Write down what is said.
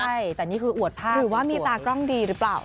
ใช่แต่นี่คืออวดภาพหรือว่ามีตากล้องดีหรือเปล่า